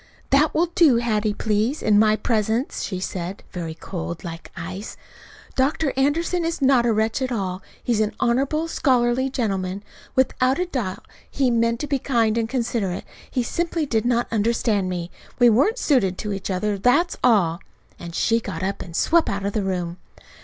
"That will do, Hattie, please, in my presence," she said, very cold, like ice. "Dr. Anderson is not a wretch at all. He is an honorable, scholarly gentleman. Without doubt he meant to be kind and considerate. He simply did not understand me. We weren't suited to each other. That's all." And she got up and swept out of the room.